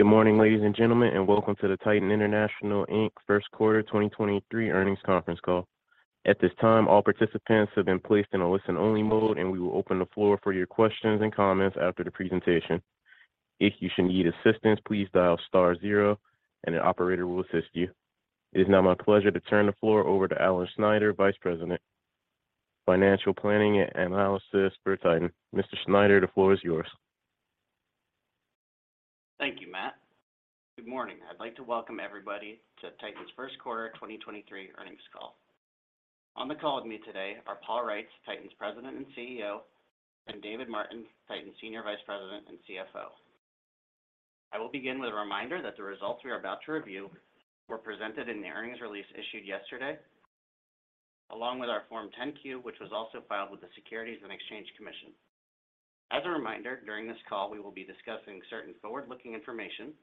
Good morning, ladies and gentlemen, and welcome to the Titan International Inc. first quarter 2023 earnings conference call. At this time, all participants have been placed in a listen-only mode, and we will open the floor for your questions and comments after the presentation. If you should need assistance, please dial star zero and the operator will assist you. It is now my pleasure to turn the floor over to Alan Snyder, Vice President, Financial Planning and Analysis for Titan. Mr. Snyder, the floor is yours. Thank you, Matt. Good morning. I'd like to welcome everybody to Titan's first quarter 2023 earnings call. On the call with me today are Paul Reitz, Titan's President and CEO, and David Martin, Titan's Senior Vice President and CFO. I will begin with a reminder that the results we are about to review were presented in the earnings release issued yesterday, along with our Form 10-Q, which was also filed with the Securities and Exchange Commission. As a reminder, during this call, we will be discussing certain forward-looking information,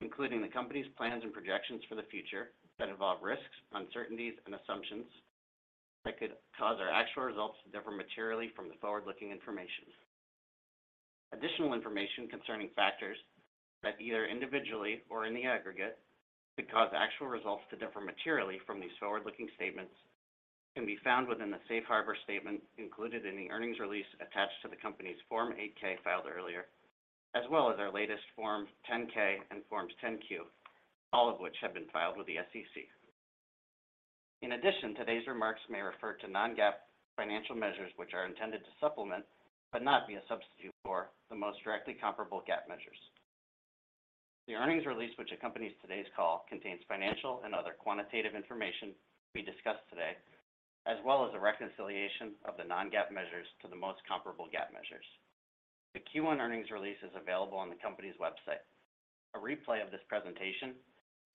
including the company's plans and projections for the future that involve risks, uncertainties and assumptions that could cause our actual results to differ materially from the forward-looking information. Additional information concerning factors that either individually or in the aggregate could cause actual results to differ materially from these forward-looking statements can be found within the safe harbor statement included in the earnings release attached to the company's Form 8-K filed earlier, as well as our latest Form 10-K and Forms 10-Q, all of which have been filed with the SEC. In addition, today's remarks may refer to non-GAAP financial measures which are intended to supplement, but not be a substitute for, the most directly comparable GAAP measures. The earnings release which accompanies today's call contains financial and other quantitative information we discuss today, as well as a reconciliation of the non-GAAP measures to the most comparable GAAP measures. The Q1 earnings release is available on the company's website. A replay of this presentation,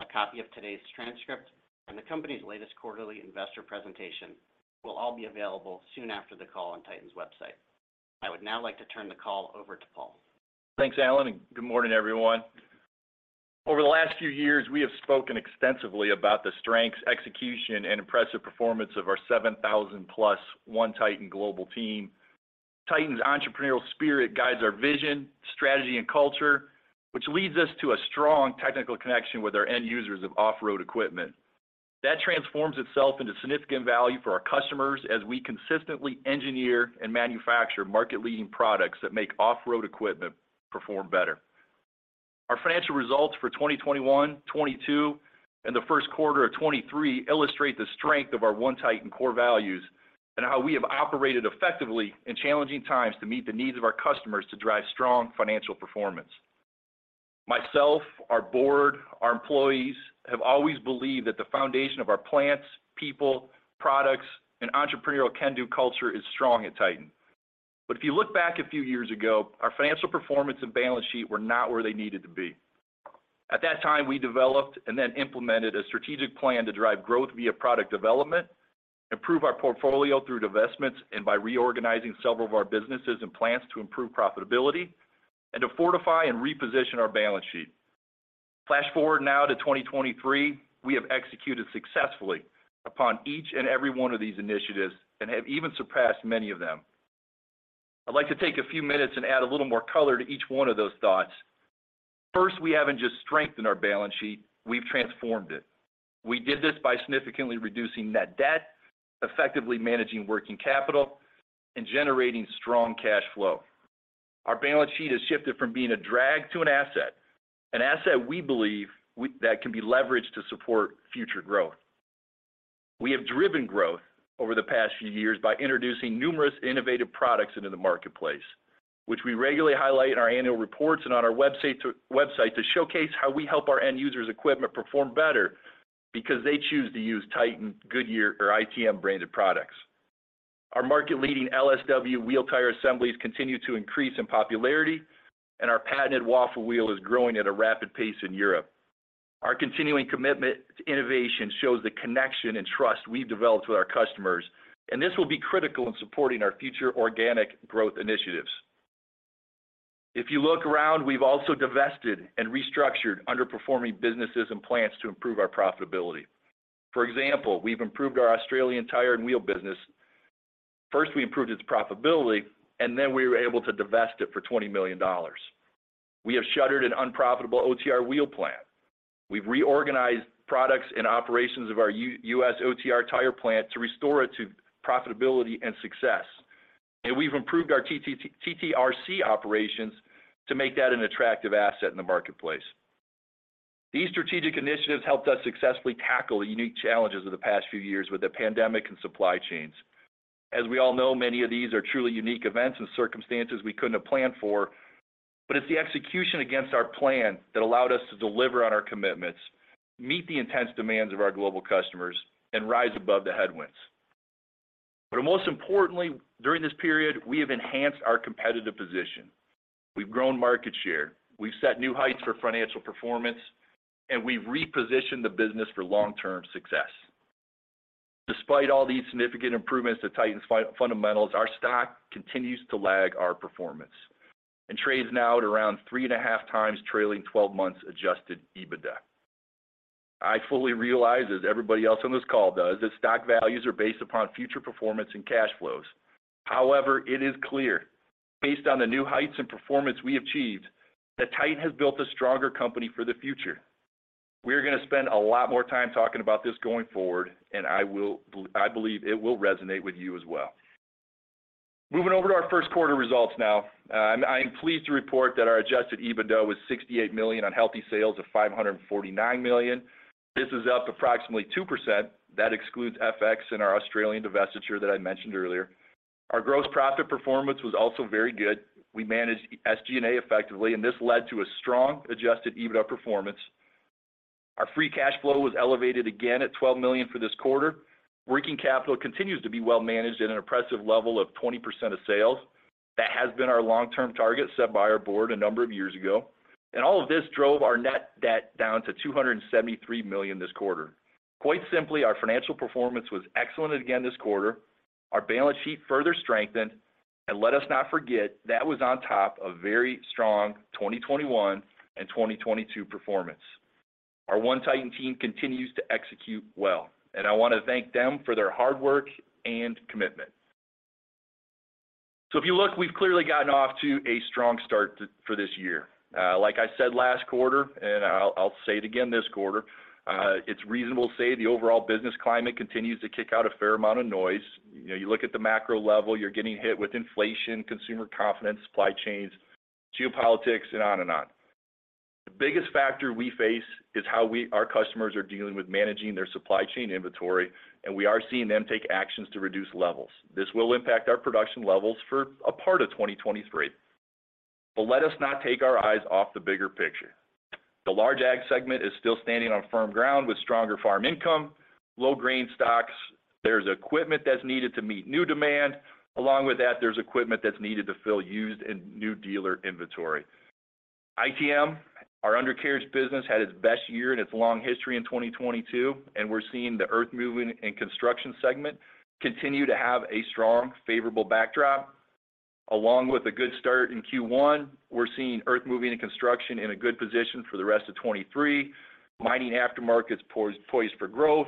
a copy of today's transcript, and the company's latest quarterly investor presentation will all be available soon after the call on Titan's website. I would now like to turn the call over to Paul. Thanks, Alan. Good morning, everyone. Over the last few years, we have spoken extensively about the strengths, execution, and impressive performance of our 7,000+ One Titan global team. Titan's entrepreneurial spirit guides our vision, strategy, and culture, which leads us to a strong technical connection with our end users of off-road equipment. That transforms itself into significant value for our customers as we consistently engineer and manufacture market-leading products that make off-road equipment perform better. Our financial results for 2021, 2022, and the first quarter of 2023 illustrate the strength of our One Titan core values and how we have operated effectively in challenging times to meet the needs of our customers to drive strong financial performance. Myself, our board, our employees have always believed that the foundation of our plants, people, products, and entrepreneurial can-do culture is strong at Titan. If you look back a few years ago, our financial performance and balance sheet were not where they needed to be. At that time, we developed and then implemented a strategic plan to drive growth via product development, improve our portfolio through divestments and by reorganizing several of our businesses and plants to improve profitability and to fortify and reposition our balance sheet. Flash forward now to 2023, we have executed successfully upon each and every one of these initiatives and have even surpassed many of them. I'd like to take a few minutes and add a little more color to each one of those thoughts. First, we haven't just strengthened our balance sheet, we've transformed it. We did this by significantly reducing net debt, effectively managing working capital, and generating strong cash flow. Our balance sheet has shifted from being a drag to an asset, an asset we believe that can be leveraged to support future growth. We have driven growth over the past few years by introducing numerous innovative products into the marketplace, which we regularly highlight in our annual reports and on our website to showcase how we help our end users' equipment perform better because they choose to use Titan, Goodyear or ITM branded products. Our market-leading LSW wheel tire assemblies continue to increase in popularity, and our patented Waffle Wheel is growing at a rapid pace in Europe. Our continuing commitment to innovation shows the connection and trust we've developed with our customers, and this will be critical in supporting our future organic growth initiatives. If you look around, we've also divested and restructured underperforming businesses and plants to improve our profitability. For example, we've improved our Australian tire and wheel business. First, we improved its profitability, then we were able to divest it for $20 million. We have shuttered an unprofitable OTR wheel plant. We've reorganized products and operations of our U.S. OTR tire plant to restore it to profitability and success. We've improved our TTRC operations to make that an attractive asset in the marketplace. These strategic initiatives helped us successfully tackle the unique challenges of the past few years with the pandemic and supply chains. As we all know, many of these are truly unique events and circumstances we couldn't have planned for, it's the execution against our plan that allowed us to deliver on our commitments, meet the intense demands of our global customers, and rise above the headwinds. Most importantly, during this period, we have enhanced our competitive position. We've grown market share. We've set new heights for financial performance. We've repositioned the business for long-term success. Despite all these significant improvements to Titan's fundamentals, our stock continues to lag our performance and trades now at around 3.5x trailing 12 months adjusted EBITDA. I fully realize, as everybody else on this call does, that stock values are based upon future performance and cash flows. It is clear, based on the new heights and performance we achieved, that Titan has built a stronger company for the future. We're gonna spend a lot more time talking about this going forward. I believe it will resonate with you as well. Moving over to our first quarter results now. I'm pleased to report that our adjusted EBITDA was $68 million on healthy sales of $549 million. This is up approximately 2%. That excludes FX and our Australian divestiture that I mentioned earlier. Our gross profit performance was also very good. We managed SG&A effectively, and this led to a strong adjusted EBITDA performance. Our free cash flow was elevated again at $12 million for this quarter. Working capital continues to be well managed at an impressive level of 20% of sales. That has been our long-term target set by our board a number of years ago. All of this drove our net debt down to $273 million this quarter. Quite simply, our financial performance was excellent again this quarter. Our balance sheet further strengthened, and let us not forget, that was on top of very strong 2021 and 2022 performance. Our One Titan team continues to execute well, and I want to thank them for their hard work and commitment. If you look, we've clearly gotten off to a strong start for this year. Like I said last quarter, and I'll say it again this quarter, it's reasonable to say the overall business climate continues to kick out a fair amount of noise. You know, you look at the macro level, you're getting hit with inflation, consumer confidence, supply chains, geopolitics, and on and on. The biggest factor we face is how our customers are dealing with managing their supply chain inventory, and we are seeing them take actions to reduce levels. This will impact our production levels for a part of 2023. Let us not take our eyes off the bigger picture. The large ag segment is still standing on firm ground with stronger farm income, low grain stocks. There's equipment that's needed to meet new demand. Along with that, there's equipment that's needed to fill used and new dealer inventory. ITM, our undercarriage business, had its best year in its long history in 2022, and we're seeing the earthmoving and construction segment continue to have a strong, favorable backdrop. Along with a good start in Q1, we're seeing earthmoving and construction in a good position for the rest of 2023. Mining aftermarket's poised for growth.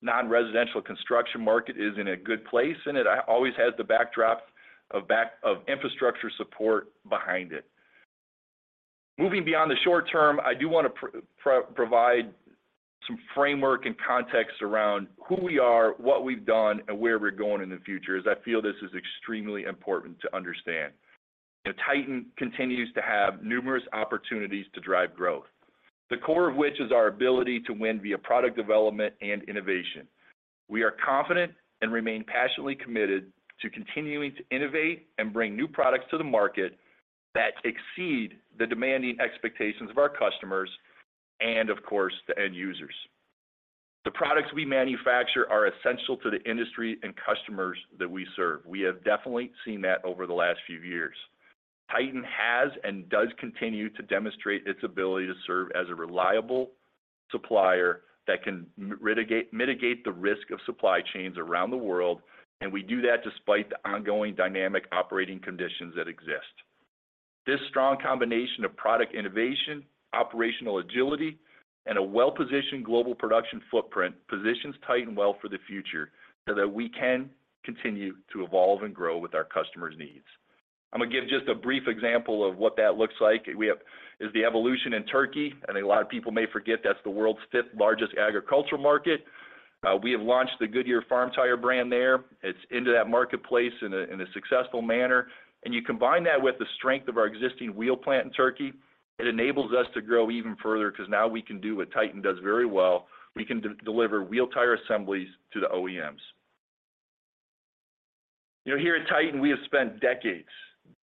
Non-residential construction market is in a good place, and it always has the backdrop of infrastructure support behind it. Moving beyond the short term, I do wanna provide some framework and context around who we are, what we've done, and where we're going in the future, as I feel this is extremely important to understand. Titan continues to have numerous opportunities to drive growth, the core of which is our ability to win via product development and innovation. We are confident and remain passionately committed to continuing to innovate and bring new products to the market that exceed the demanding expectations of our customers and of course, the end users. The products we manufacture are essential to the industry and customers that we serve. We have definitely seen that over the last few years. Titan has and does continue to demonstrate its ability to serve as a reliable supplier that can mitigate the risk of supply chains around the world. We do that despite the ongoing dynamic operating conditions that exist. This strong combination of product innovation, operational agility, and a well-positioned global production footprint positions Titan well for the future so that we can continue to evolve and grow with our customers' needs. I'm gonna give just a brief example of what that looks like. Is the evolution in Turkey. A lot of people may forget that's the world's fifth-largest agricultural market. We have launched the Goodyear Farm Tires brand there. It's into that marketplace in a successful manner. You combine that with the strength of our existing wheel plant in Turkey, it enables us to grow even further 'cause now we can do what Titan does very well. We can de-deliver wheel tire assemblies to the OEMs. You know, here at Titan, we have spent decades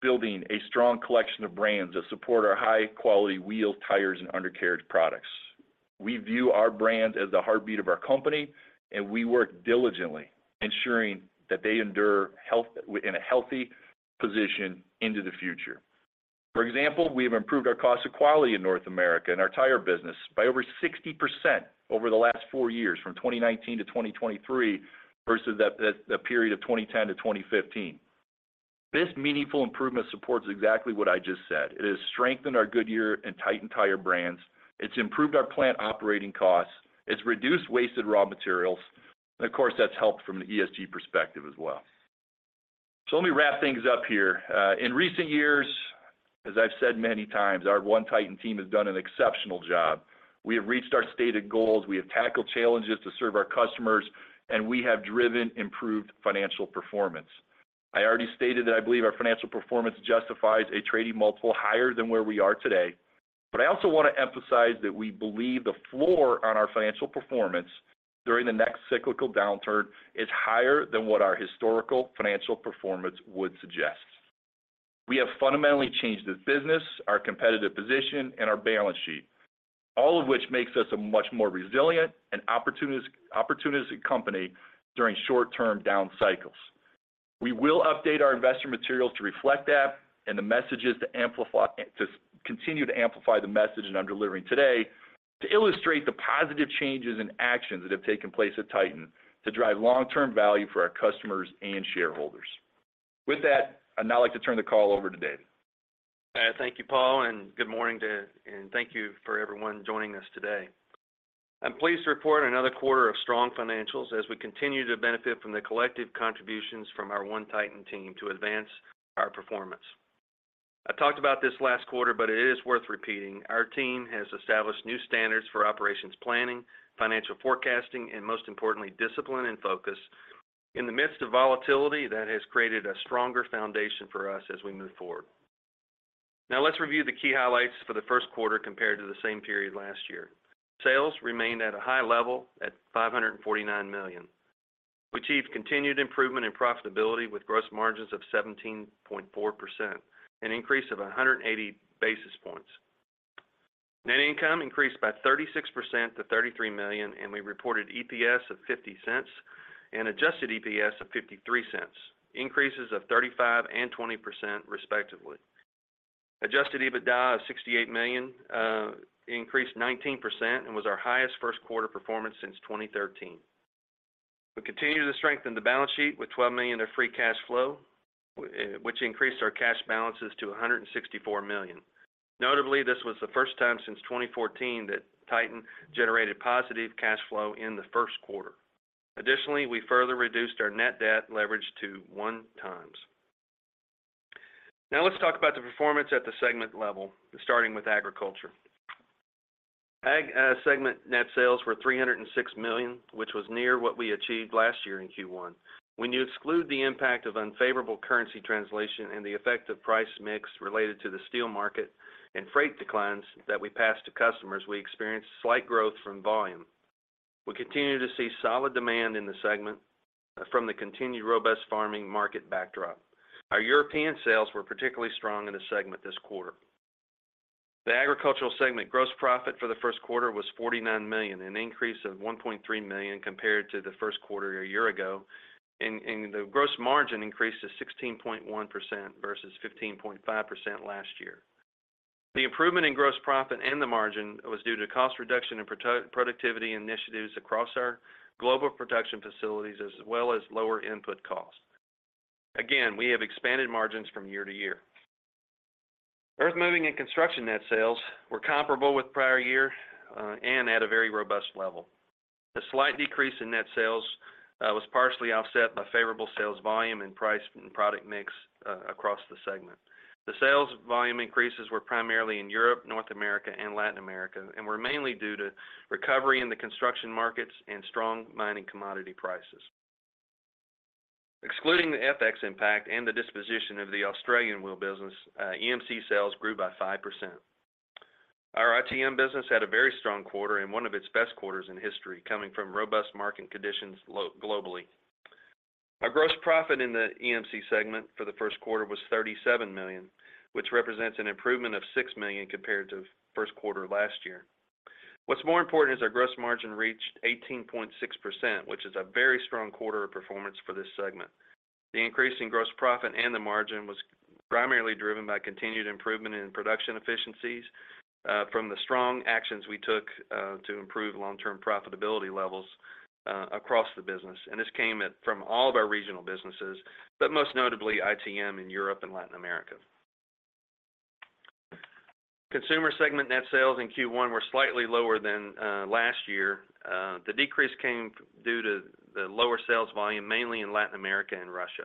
building a strong collection of brands that support our high-quality wheel tires and undercarriage products. We view our brand as the heartbeat of our company, and we work diligently ensuring that they endure in a healthy position into the future. For example, we have improved our cost of quality in North America in our tire business by over 60% over the last four years, from 2019 to 2023, versus that period of 2010 to 2015. This meaningful improvement supports exactly what I just said. It has strengthened our Goodyear and Titan tire brands. It's improved our plant operating costs. It's reduced wasted raw materials, and of course, that's helped from an ESG perspective as well. Let me wrap things up here. In recent years, as I've said many times, our One Titan team has done an exceptional job. We have reached our stated goals, we have tackled challenges to serve our customers, and we have driven improved financial performance. I already stated that I believe our financial performance justifies a trading multiple higher than where we are today. I also want to emphasize that we believe the floor on our financial performance during the next cyclical downturn is higher than what our historical financial performance would suggest. We have fundamentally changed this business, our competitive position, and our balance sheet, all of which makes us a much more resilient and opportunistic company during short-term down cycles. We will update our investor materials to reflect that. The message is to continue to amplify the message that I'm delivering today to illustrate the positive changes and actions that have taken place at Titan to drive long-term value for our customers and shareholders. With that, I'd now like to turn the call over to David. Thank you, Paul, and good morning to, and thank you for everyone joining us today. I'm pleased to report another quarter of strong financials as we continue to benefit from the collective contributions from our One Titan team to advance our performance. I talked about this last quarter, but it is worth repeating. Our team has established new standards for operations planning, financial forecasting, and most importantly, discipline and focus in the midst of volatility that has created a stronger foundation for us as we move forward. Now let's review the key highlights for the first quarter compared to the same period last year. Sales remained at a high level at $549 million. We achieved continued improvement in profitability with gross margins of 17.4%, an increase of 180 basis points. Net income increased by 36% to $33 million, and we reported EPS of $0.50 and adjusted EPS of $0.53, increases of 35% and 20% respectively. Adjusted EBITDA of $68 million increased 19% and was our highest first quarter performance since 2013. We continue to strengthen the balance sheet with $12 million of free cash flow, which increased our cash balances to $164 million. Notably, this was the first time since 2014 that Titan generated positive cash flow in the first quarter. Additionally, we further reduced our net debt leverage to 1x. Let's talk about the performance at the segment level, starting with agriculture. Ag segment net sales were $306 million, which was near what we achieved last year in Q1. When you exclude the impact of unfavorable currency translation and the effect of price mix related to the steel market and freight declines that we passed to customers, we experienced slight growth from volume. We continue to see solid demand in the segment from the continued robust farming market backdrop. Our European sales were particularly strong in the segment this quarter. The agricultural segment gross profit for the first quarter was $49 million, an increase of $1.3 million compared to the first quarter a year ago. The gross margin increased to 16.1% versus 15.5% last year. The improvement in gross profit and the margin was due to cost reduction and productivity initiatives across our global production facilities as well as lower input costs. Again, we have expanded margins from year to year. Earthmoving and construction net sales were comparable with prior year, and at a very robust level. The slight decrease in net sales was partially offset by favorable sales volume and price and product mix across the segment. The sales volume increases were primarily in Europe, North America, and Latin America and were mainly due to recovery in the construction markets and strong mining commodity prices. Excluding the FX impact and the disposition of the Australian wheel business, EMC sales grew by 5%. Our ITM business had a very strong quarter and one of its best quarters in history, coming from robust market conditions globally. Our gross profit in the EMC segment for the first quarter was $37 million, which represents an improvement of $6 million compared to first quarter last year. What's more important is our gross margin reached 18.6%, which is a very strong quarter of performance for this segment. The increase in gross profit and the margin was primarily driven by continued improvement in production efficiencies, from the strong actions we took to improve long-term profitability levels across the business. This came from all of our regional businesses, but most notably ITM in Europe and Latin America. Consumer segment net sales in Q1 were slightly lower than last year. The decrease came due to the lower sales volume mainly in Latin America and Russia.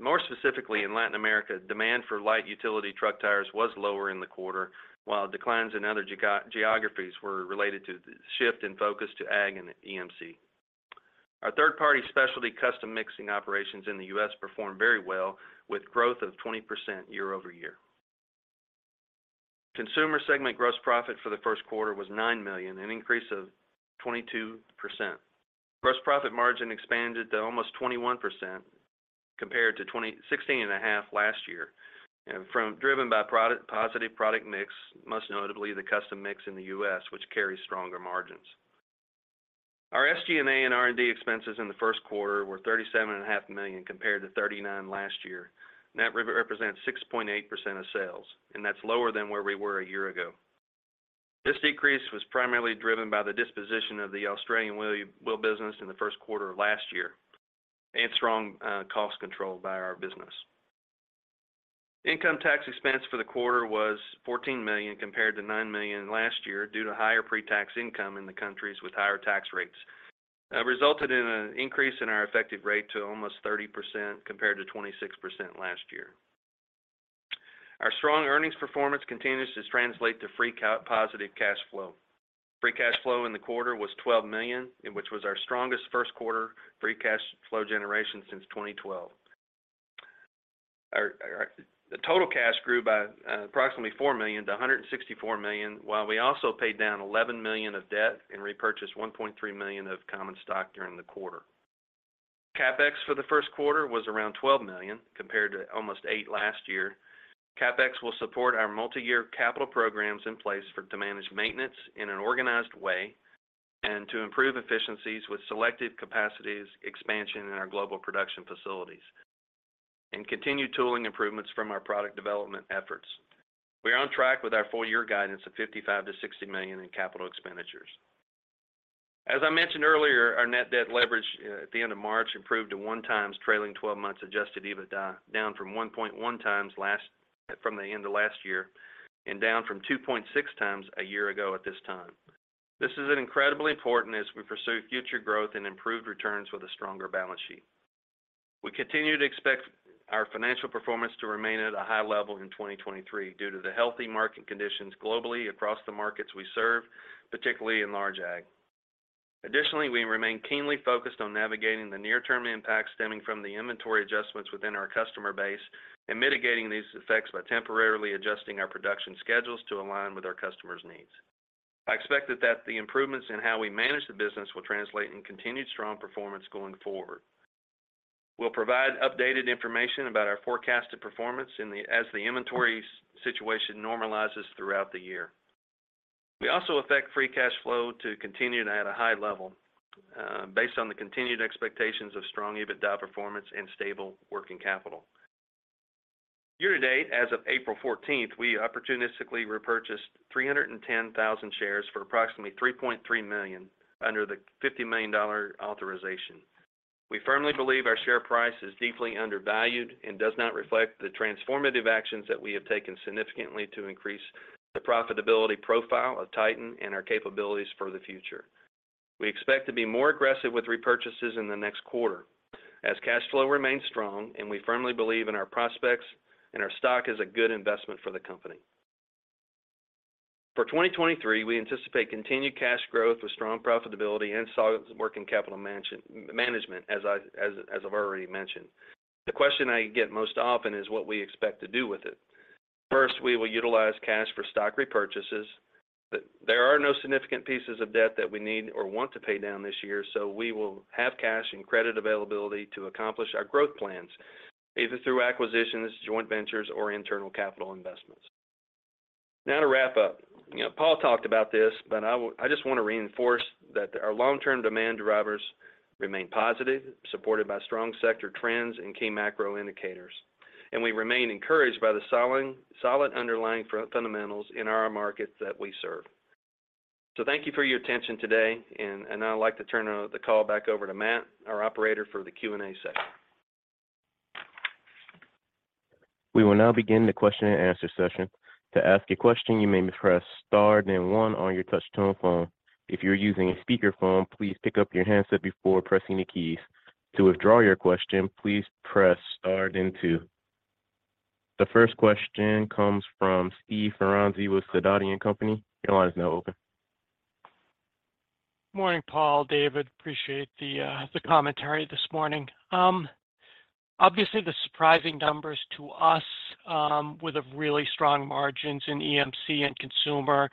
More specifically, in Latin America, demand for light utility truck tires was lower in the quarter, while declines in other geographies were related to the shift in focus to ag and EMC. Our third-party specialty custom mixing operations in the U.S. performed very well with growth of 20% year-over-year. Consumer segment gross profit for the first quarter was $9 million, an increase of 22%. Gross profit margin expanded to almost 21% compared to 16.5% last year, driven by positive product mix, most notably the custom mix in the U.S., which carries stronger margins. Our SG&A and R&D expenses in the first quarter were $37.5 million compared to $39 million last year. That represents 6.8% of sales, and that's lower than where we were a year ago. This decrease was primarily driven by the disposition of the Australian wheel business in the first quarter of last year and strong cost control by our business. Income tax expense for the quarter was $14 million compared to $9 million last year due to higher pre-tax income in the countries with higher tax rates. That resulted in an increase in our effective rate to almost 30% compared to 26% last year. Our strong earnings performance continues to translate to positive cash flow. Free cash flow in the quarter was $12 million, which was our strongest first quarter free cash flow generation since 2012. The total cash grew by approximately $4 million-$164 million, while we also paid down $11 million of debt and repurchased $1.3 million of common stock during the quarter. CapEx for the first quarter was around $12 million, compared to almost $8 million last year. CapEx will support our multi-year capital programs in place to manage maintenance in an organized way and to improve efficiencies with selected capacities expansion in our global production facilities and continued tooling improvements from our product development efforts. We are on track with our full year guidance of $55 million-$60 million in capital expenditures. As I mentioned earlier, our net debt leverage at the end of March improved to 1x trailing 12 months adjusted EBITDA, down from 1.1x from the end of last year, and down from 2.6x a year ago at this time. This is incredibly important as we pursue future growth and improved returns with a stronger balance sheet. We continue to expect our financial performance to remain at a high level in 2023 due to the healthy market conditions globally across the markets we serve, particularly in large ag. We remain keenly focused on navigating the near-term impact stemming from the inventory adjustments within our customer base, and mitigating these effects by temporarily adjusting our production schedules to align with our customers' needs. I expect that the improvements in how we manage the business will translate in continued strong performance going forward. We'll provide updated information about our forecasted performance as the inventory situation normalizes throughout the year. We also affect free cash flow to continue at a high level, based on the continued expectations of strong EBITDA performance and stable working capital. Year-to-date, as of April 14th, we opportunistically repurchased 310,000 shares for approximately $3.3 million under the $50 million authorization. We firmly believe our share price is deeply undervalued and does not reflect the transformative actions that we have taken significantly to increase the profitability profile of Titan and our capabilities for the future. We expect to be more aggressive with repurchases in the next quarter as cash flow remains strong. We firmly believe in our prospects. Our stock is a good investment for the company. For 2023, we anticipate continued cash growth with strong profitability and solid working capital management, as I've already mentioned. The question I get most often is what we expect to do with it. First, we will utilize cash for stock repurchases. There are no significant pieces of debt that we need or want to pay down this year, so we will have cash and credit availability to accomplish our growth plans, either through acquisitions, joint ventures, or internal capital investments. Now to wrap up. You know, Paul talked about this, but I just want to reinforce that our long-term demand drivers remain positive, supported by strong sector trends and key macro indicators. We remain encouraged by the solid underlying fundamentals in our markets that we serve. Thank you for your attention today, and I'd like to turn the call back over to Matt, our operator, for the Q&A session. We will now begin the question and answer session. To ask a question, you may press star then one on your touch-tone phone. If you're using a speakerphone, please pick up your handset before pressing the keys. To withdraw your question, please press star then two. The first question comes from Steve Ferazani with Sidoti & Company. Your line is now open. Morning, Paul, David. Appreciate the the commentary this morning. Obviously, the surprising numbers to us, with the really strong margins in EMC and consumer,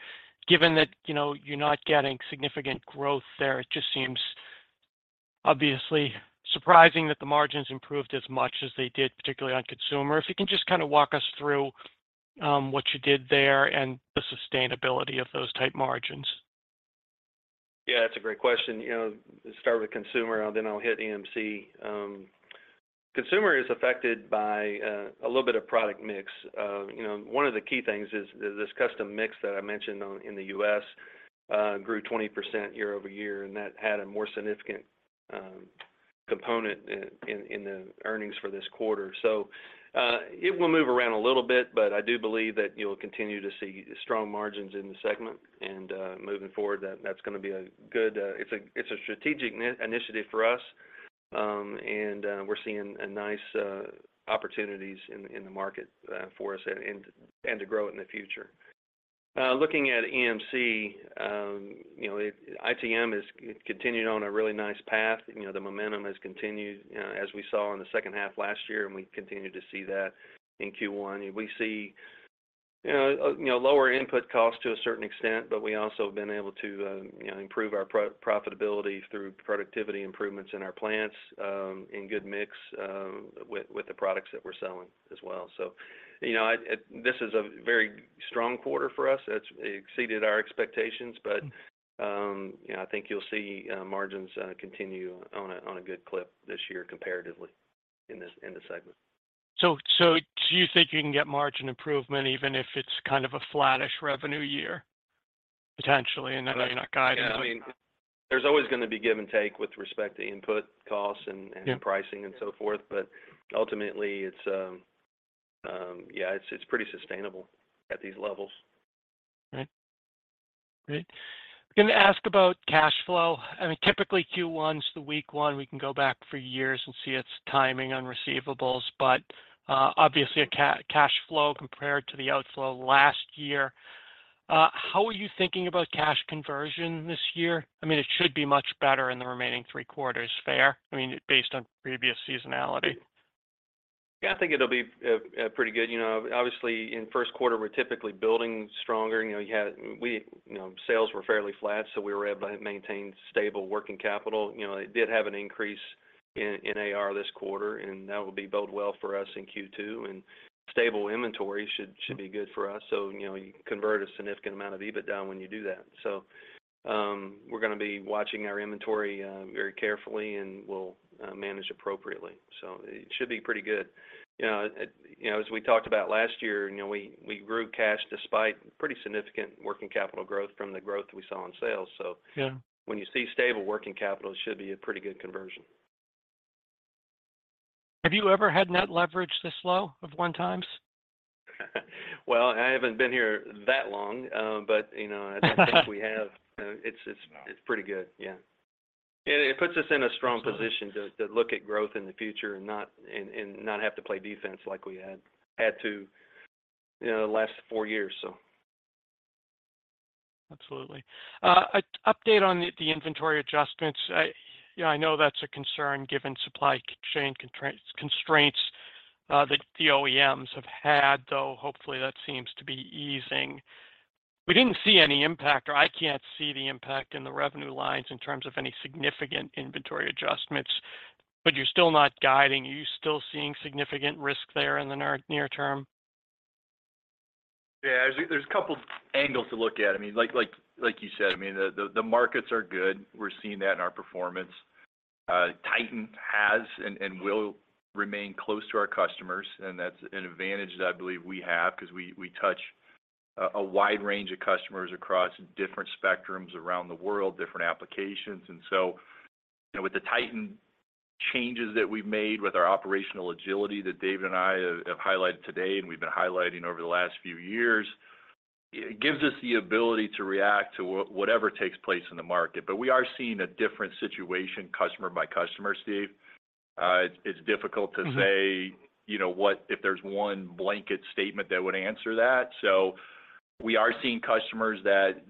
given that, you know, you're not getting significant growth there, it just seems obviously surprising that the margins improved as much as they did, particularly on consumer. If you can just kind of walk us through what you did there and the sustainability of those type margins? Yeah, that's a great question. You know, start with consumer, and then I'll hit EMC. Consumer is affected by a little bit of product mix. You know, one of the key things is this custom mix that I mentioned on, in the U.S., grew 20% year-over-year, and that had a more significant component in the earnings for this quarter. It will move around a little bit, but I do believe that you'll continue to see strong margins in the segment, and moving forward, that's gonna be a good... It's a strategic initiative for us, and we're seeing nice opportunities in the market for us and to grow in the future. Looking at EMC, you know, ITM has continued on a really nice path. You know, the momentum has continued, as we saw in the second half last year, and we continue to see that in Q1. We see, you know, lower input costs to a certain extent, but we also have been able to, you know, improve our pro-profitability through productivity improvements in our plants, in good mix, with the products that we're selling as well. You know, I, this is a very strong quarter for us. It's exceeded our expectations, but, you know, I think you'll see margins continue on a good clip this year comparatively in this, in the segment. Do you think you can get margin improvement even if it's kind of a flattish revenue year potentially? I know you're not guiding, but. Yeah. I mean, there's always gonna be give and take with respect to input costs. Yeah Pricing and so forth. Ultimately, it's, yeah, it's pretty sustainable at these levels. Okay. Great. Gonna ask about cash flow. I mean, typically Q1's the weak one. We can go back for years and see its timing on receivables. Obviously a cash flow compared to the outflow last year, how are you thinking about cash conversion this year? I mean, it should be much better in the remaining three quarters. Fair? I mean, based on previous seasonality. Yeah. I think it'll be pretty good. You know, obviously, in first quarter, we're typically building stronger. You know, we, you know, sales were fairly flat, so we were able to maintain stable working capital. You know, it did have an increase in AR this quarter, and that will bode well for us in Q2. Stable inventory should be good for us. You know, you convert a significant amount of EBITDA when you do that. We're gonna be watching our inventory very carefully, and we'll manage appropriately. It should be pretty good. You know, you know, as we talked about last year, you know, we grew cash despite pretty significant working capital growth from the growth we saw in sales. Yeah when you see stable working capital, it should be a pretty good conversion. Have you ever had net leverage this low of 1x? Well, I haven't been here that long, you know. I don't think we have. No, it's pretty good. Yeah. It puts us in a strong position to look at growth in the future and not have to play defense like we had to, you know, the last four years, so. Absolutely. A update on the inventory adjustments. I, yeah, I know that's a concern given supply chain constraints, that the OEMs have had, though hopefully that seems to be easing. We didn't see any impact, or I can't see the impact in the revenue lines in terms of any significant inventory adjustments. You're still not guiding. Are you still seeing significant risk there in the near term? Yeah. There's a couple angles to look at. I mean, like you said, I mean, the markets are good. We're seeing that in our performance. Titan has and will remain close to our customers, and that's an advantage that I believe we have 'cause we touch a wide range of customers across different spectrums around the world, different applications. You know, with the Titan changes that we've made with our operational agility that David and I have highlighted today and we've been highlighting over the last few years, it gives us the ability to react to whatever takes place in the market. We are seeing a different situation customer by customer, Steve. It's difficult to say. Mm-hmm You know, what if there's one blanket statement that would answer that. We are seeing customers that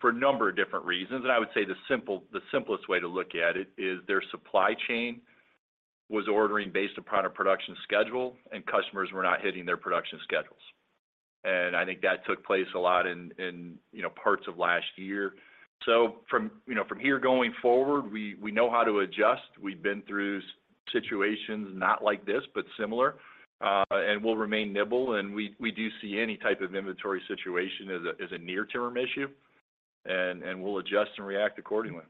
for a number of different reasons, and I would say the simplest way to look at it is their supply chain was ordering based upon a production schedule, and customers were not hitting their production schedules. I think that took place a lot in, you know, parts of last year. From, you know, from here going forward, we know how to adjust. We've been through situations not like this, but similar, and we'll remain nimble. We do see any type of inventory situation as a near-term issue and we'll adjust and react accordingly.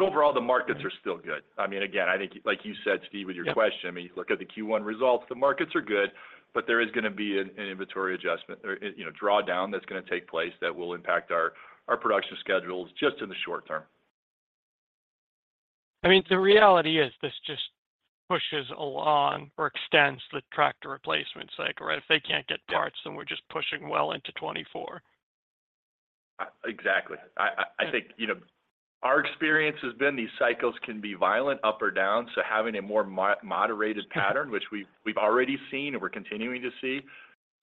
Overall, the markets are still good. I mean, again, I think, like you said, Steve, with your question... Yeah. I mean, you look at the Q1 results, the markets are good, but there is gonna be an inventory adjustment or, you know, drawdown that's gonna take place that will impact our production schedules just in the short term. I mean, the reality is this just pushes along or extends the tractor replacement cycle, right? If they can't get parts- Yeah we're just pushing well into 2024. Exactly. I think, you know, our experience has been these cycles can be violent up or down, so having a more moderated pattern, which we've already seen and we're continuing to see,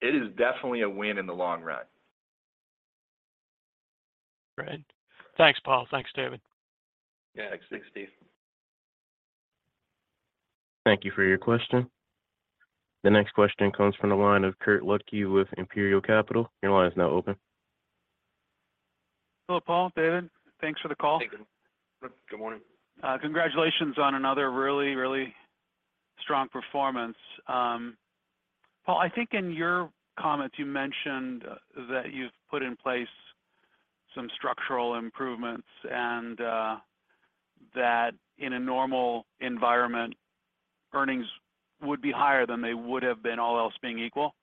it is definitely a win in the long run. Great. Thanks, Paul. Thanks, David. Yeah. Thanks, Steve. Thank you for your question. The next question comes from the line of Kirk Ludtke with Imperial Capital. Your line is now open. Hello, Paul, David. Thanks for the call. Hey, Kirk. Good morning. Congratulations on another really, really strong performance. Paul, I think in your comments you mentioned that you've put in place some structural improvements and that in a normal environment, earnings would be higher than they would have been, all else being equal.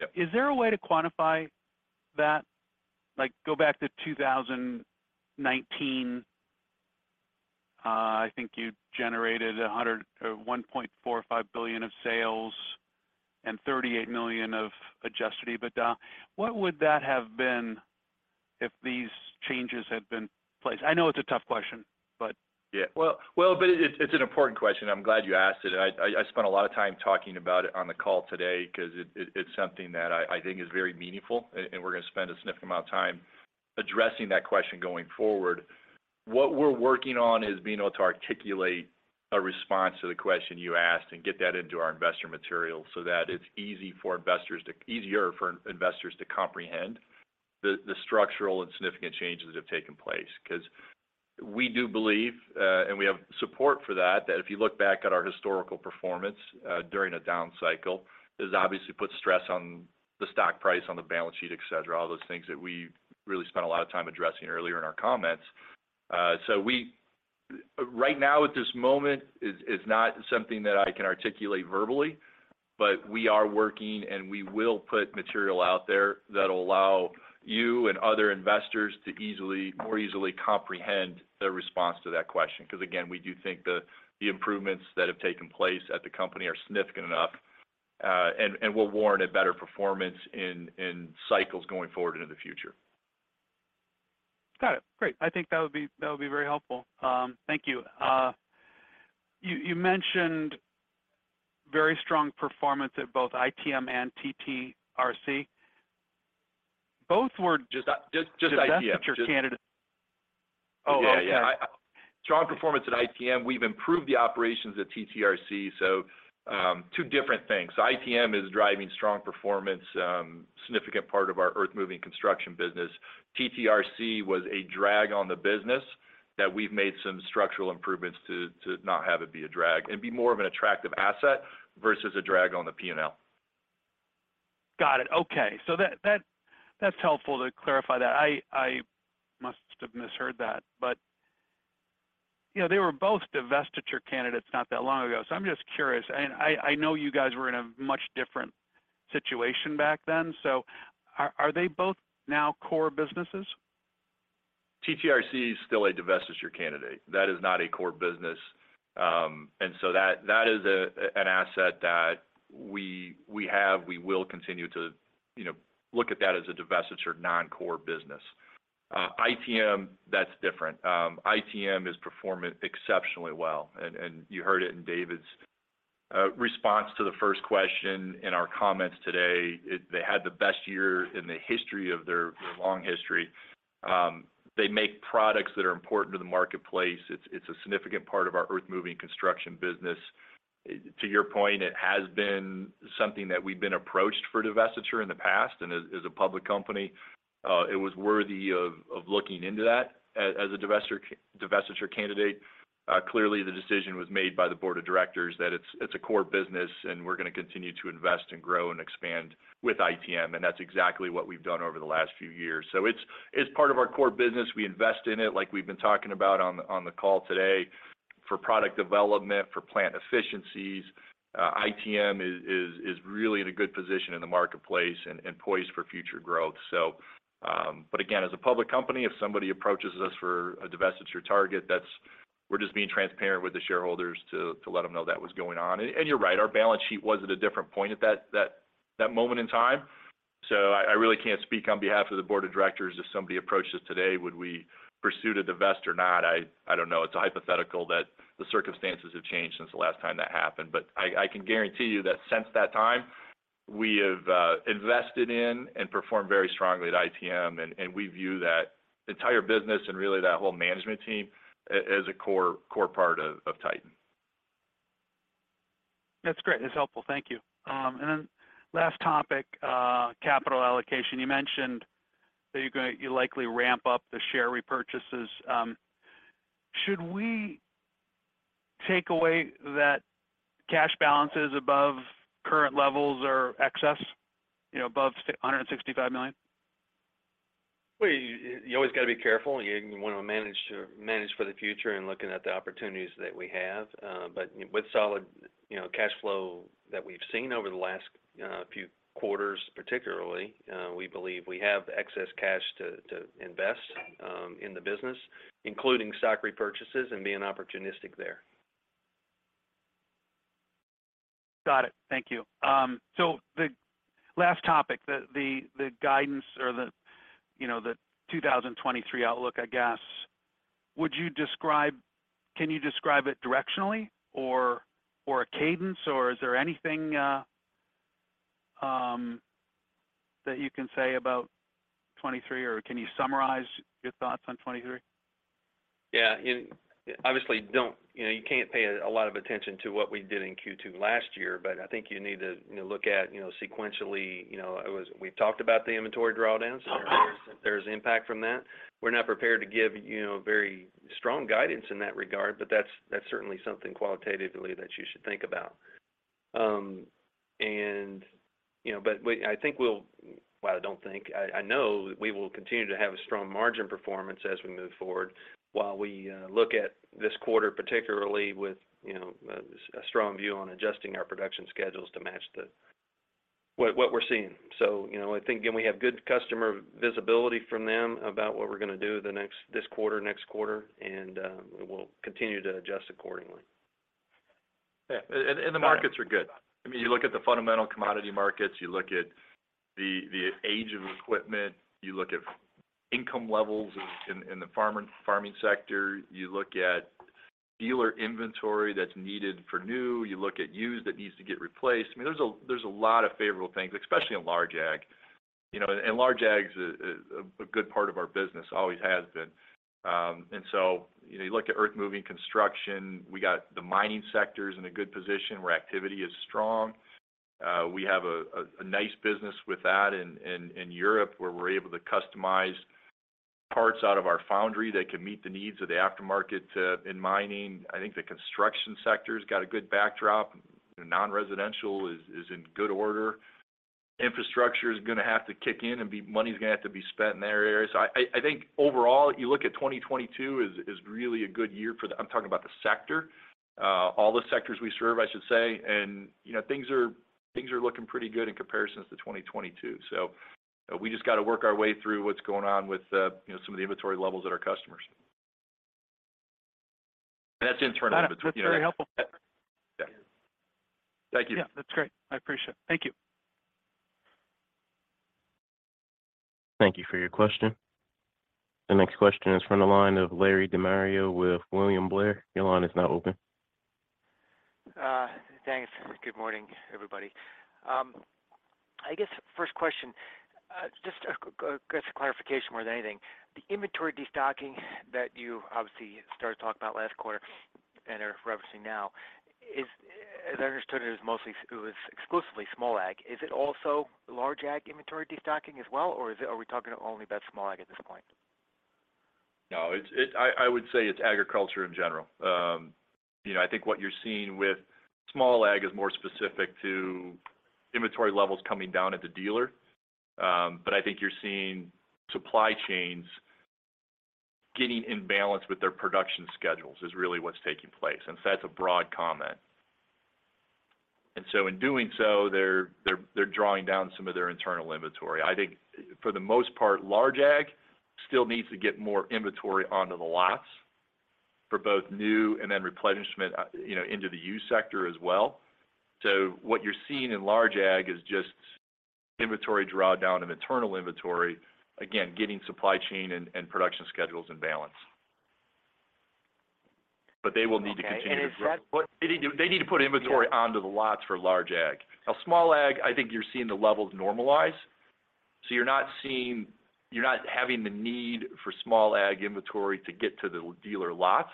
Yep. Is there a way to quantify that? Like, go back to 2019, I think you generated $1.45 billion of sales and $38 million of adjusted EBITDA. What would that have been if these changes had been in place? I know it's a tough question, but. Yeah. Well, but it's an important question. I'm glad you asked it. I spent a lot of time talking about it on the call today 'cause it's something that I think is very meaningful and we're gonna spend a significant amount of time addressing that question going forward. What we're working on is being able to articulate a response to the question you asked and get that into our investor material so that it's easy for investors to easier for investors to comprehend the structural and significant changes that have taken place. We do believe, and we have support for that if you look back at our historical performance, during a down cycle, this obviously puts stress on the stock price, on the balance sheet, et cetera, all those things that we really spent a lot of time addressing earlier in our comments. Right now at this moment is not something that I can articulate verbally, but we are working, and we will put material out there that'll allow you and other investors to easily, more easily comprehend the response to that question. Again, we do think the improvements that have taken place at the company are significant enough, and will warrant a better performance in cycles going forward into the future. Got it. Great. I think that would be very helpful. Thank you. You mentioned very strong performance at both ITM and TTRC. Just ITM. Divestiture candidates. Oh, okay. Yeah, yeah. Okay strong performance at ITM. We've improved the operations at TTRC. Two different things. ITM is driving strong performance, significant part of our earthmoving construction business. TTRC was a drag on the business that we've made some structural improvements to not have it be a drag and be more of an attractive asset versus a drag on the P&L. Got it. Okay. That's helpful to clarify that. I must have misheard that, but, you know, they were both divestiture candidates not that long ago. I'm just curious. I know you guys were in a much different situation back then. Are they both now core businesses? TTRC is still a divestiture candidate. That is not a core business. That is an asset that we have, we will continue to, you know, look at that as a divestiture non-core business. ITM, that's different. ITM is performing exceptionally well. You heard it in David's response to the first question in our comments today. They had the best year in the history of their long history. They make products that are important to the marketplace. It's a significant part of our earthmoving construction business. To your point, it has been something that we've been approached for divestiture in the past, and as a public company, it was worthy of looking into that as a divestiture candidate. Clearly the decision was made by the board of directors that it's a core business and we're gonna continue to invest and grow and expand with ITM, and that's exactly what we've done over the last few years. It's part of our core business. We invest in it like we've been talking about on the call today, for product development, for plant efficiencies. ITM is really in a good position in the marketplace and poised for future growth. But again, as a public company, if somebody approaches us for a divestiture target, that's. We're just being transparent with the shareholders to let them know that was going on. You're right, our balance sheet was at a different point at that moment in time. I really can't speak on behalf of the board of directors if somebody approaches today, would we pursue to divest or not? I don't know. It's a hypothetical that the circumstances have changed since the last time that happened. I can guarantee you that since that time, we have invested in and performed very strongly at ITM, and we view that entire business and really that whole management team as a core part of Titan. That's great. That's helpful. Thank you. Last topic, capital allocation. You mentioned that you'll likely ramp up the share repurchases. Should we take away that cash balances above current levels or excess, you know, above $165 million? Well, you always got to be careful. You wanna manage for the future in looking at the opportunities that we have. But with solid, you know, cash flow that we've seen over the last few quarters particularly, we believe we have excess cash to invest in the business, including stock repurchases and being opportunistic there. Got it. Thank you. The last topic, the, the guidance or the, you know, the 2023 outlook, I guess. Can you describe it directionally or a cadence, or is there anything that you can say about 23, or can you summarize your thoughts on 23? Yeah. You obviously don't. You know, you can't pay a lot of attention to what we did in Q2 last year, but I think you need to, you know, look at, you know, sequentially, you know, it was. We've talked about the inventory drawdowns. There's impact from that. We're not prepared to give, you know, very strong guidance in that regard, but that's certainly something qualitatively that you should think about. You know, Well, I don't think. I know we will continue to have a strong margin performance as we move forward while we look at this quarter, particularly with, you know, a strong view on adjusting our production schedules to match what we're seeing. You know, I think, again, we have good customer visibility from them about what we're gonna do this quarter, next quarter, and we'll continue to adjust accordingly. Yeah. The markets are good. I mean, you look at the fundamental commodity markets, you look at the age of equipment, you look at income levels in the farming sector, you look at dealer inventory that's needed for new, you look at used that needs to get replaced. I mean, there's a lot of favorable things, especially in large ag. You know, large ag is a good part of our business, always has been. You know, you look at earthmoving construction, we got the mining sectors in a good position where activity is strong. We have a nice business with that in Europe, where we're able to customize parts out of our foundry that can meet the needs of the aftermarket, in mining. I think the construction sector's got a good backdrop. Non-residential is in good order. Infrastructure is gonna have to kick in and money is gonna have to be spent in their areas. I think overall, you look at 2022 is really a good year for the... I'm talking about the sector, all the sectors we serve, I should say. You know, things are looking pretty good in comparison to 2022. We just got to work our way through what's going on with, you know, some of the inventory levels at our customers. That's in turn. Got it. That's very helpful. Yeah. Thank you. Yeah. That's great. I appreciate it. Thank you. Thank you for your question. The next question is from the line of Larry De Maria with William Blair. Your line is now open. Thanks. Good morning, everybody. I guess first question, just a clarification more than anything. The inventory destocking that you obviously started talking about last quarter and are referencing now is, as I understood it, is mostly, it was exclusively small ag. Is it also large ag inventory destocking as well, or is it, are we talking only about small ag at this point? No, I would say it's agriculture in general. You know, I think what you're seeing with small ag is more specific to inventory levels coming down at the dealer. But I think you're seeing supply chains getting in balance with their production schedules is really what's taking place, and so that's a broad comment. In doing so, they're drawing down some of their internal inventory. I think for the most part, large ag still needs to get more inventory onto the lots for both new and then replenishment, you know, into the U sector as well. What you're seeing in large ag is just inventory drawdown of internal inventory, again, getting supply chain and production schedules in balance. They will need to continue to grow. Okay. Is that. They need to, they need to put inventory onto the lots for large ag. Now, small ag, I think you're seeing the levels normalize. You're not having the need for small ag inventory to get to the dealer lots.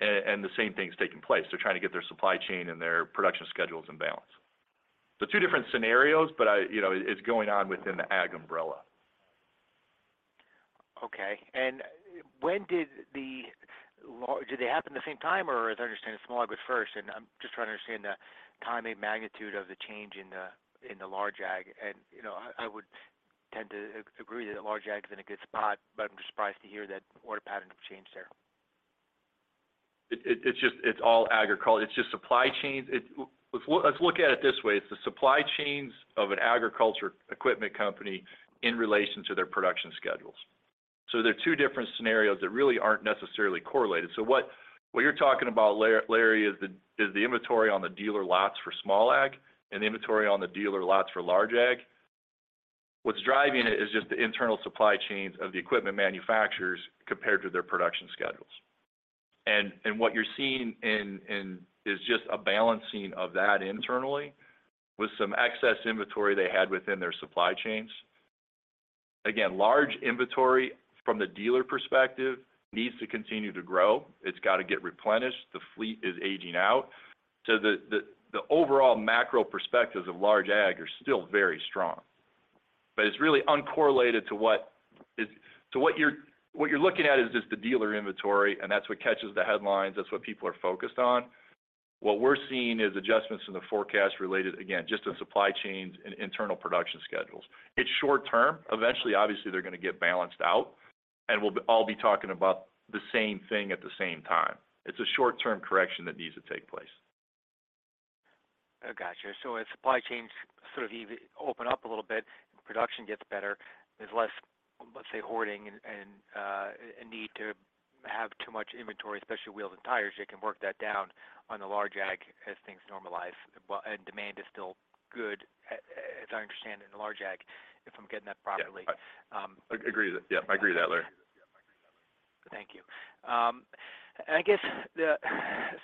The same thing's taking place. They're trying to get their supply chain and their production schedules in balance. Two different scenarios, but I, you know, it's going on within the ag umbrella. Okay. When did the large? Did they happen the same time? As I understand, small ag was first, and I'm just trying to understand the timing magnitude of the change in the large ag. You know, I would tend to agree that large ag is in a good spot, but I'm just surprised to hear that order patterns have changed there. It's just, it's all agriculture. It's just supply chains. Let's look at it this way. It's the supply chains of an agriculture equipment company in relation to their production schedules. They're two different scenarios that really aren't necessarily correlated. What you're talking about, Larry, is the inventory on the dealer lots for small ag and the inventory on the dealer lots for large ag. What's driving it is just the internal supply chains of the equipment manufacturers compared to their production schedules. What you're seeing in is just a balancing of that internally with some excess inventory they had within their supply chains. Again, large inventory from the dealer perspective needs to continue to grow. It's got to get replenished. The fleet is aging out. The overall macro perspectives of large ag are still very strong. It's really uncorrelated to. What you're looking at is just the dealer inventory, and that's what catches the headlines. That's what people are focused on. What we're seeing is adjustments in the forecast related, again, just to supply chains and internal production schedules. It's short term. Eventually, obviously, they're gonna get balanced out, and we'll all be talking about the same thing at the same time. It's a short-term correction that needs to take place. Oh, got you. As supply chains sort of open up a little bit, production gets better. There's less, let's say, hoarding and, a need to have too much inventory, especially wheels and tires. They can work that down on the large ag as things normalize. Well, demand is still good, as I understand, in large ag, if I'm getting that properly? Yeah. Um. Agree. Yep, I agree with that, Larry. Thank you. I guess the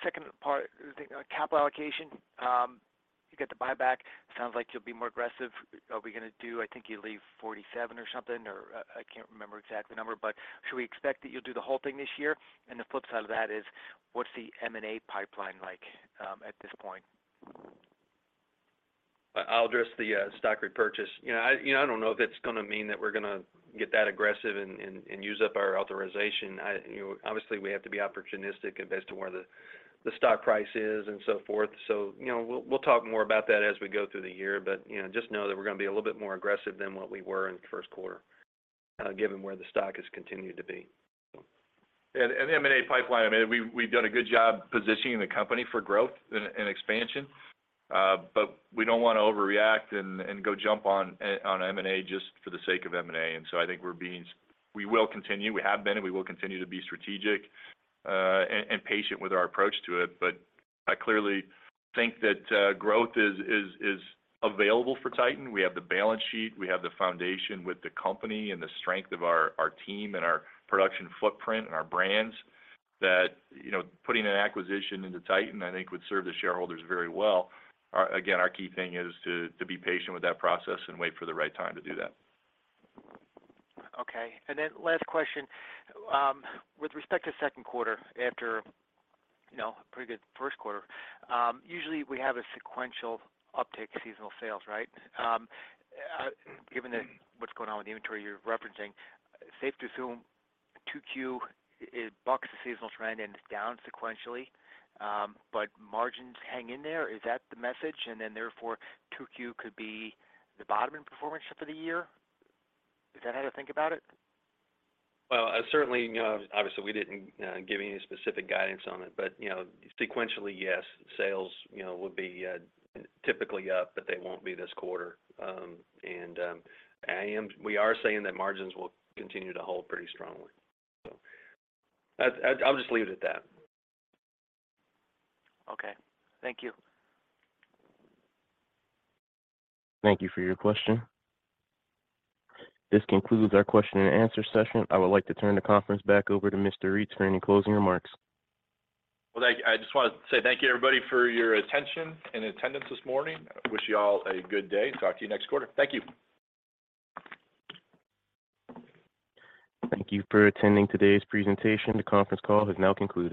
second part, the capital allocation, you get the buyback. Sounds like you'll be more aggressive. Are we gonna do... I think you leave 47 or something, or I can't remember exactly the number, but should we expect that you'll do the whole thing this year? The flip side of that is, what's the M&A pipeline like at this point? I'll address the stock repurchase. You know, I, you know, I don't know if it's gonna mean that we're gonna get that aggressive and use up our authorization. I, you know, obviously, we have to be opportunistic as to where the stock price is and so forth. You know, we'll talk more about that as we go through the year. You know, just know that we're gonna be a little bit more aggressive than what we were in the first quarter, given where the stock has continued to be. The M&A pipeline, I mean, we've done a good job positioning the company for growth and expansion. We don't wanna overreact and go jump on M&A just for the sake of M&A. I think we will continue. We have been and we will continue to be strategic, and patient with our approach to it. I clearly think that growth is available for Titan. We have the balance sheet. We have the foundation with the company and the strength of our team and our production footprint and our brands that, you know, putting an acquisition into Titan, I think would serve the shareholders very well. Again, our key thing is to be patient with that process and wait for the right time to do that. Okay. Last question. With respect to second quarter, after, you know, pretty good first quarter, usually we have a sequential uptick in seasonal sales, right? Given that what's going on with the inventory you're referencing, safe to assume 2Q, it bucks the seasonal trend and it's down sequentially, but margins hang in there. Is that the message? Therefore, 2Q could be the bottom in performance for the year. Is that how to think about it? Certainly, you know, obviously, we didn't give any specific guidance on it. You know, sequentially, yes, sales, you know, would be typically up, but they won't be this quarter. We are saying that margins will continue to hold pretty strongly. I'll just leave it at that. Okay. Thank you. Thank you for your question. This concludes our question and answer session. I would like to turn the conference back over to Mr. Reitz for any closing remarks. Thank you. I just want to say thank you, everybody, for your attention and attendance this morning. I wish you all a good day. Talk to you next quarter. Thank you. Thank you for attending today's presentation. The conference call has now concluded.